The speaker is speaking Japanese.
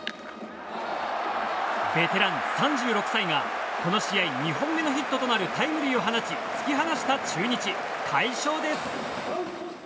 ベテラン３６歳がこの試合２本目のヒットとなるタイムリーを放ち突き放した中日が快勝です。